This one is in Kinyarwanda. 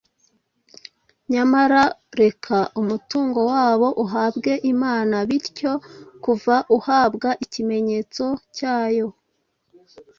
Nyamara reka umutungo wabo uhabwe Imana bityo kuva uhabwa ikimenyetso cyayo.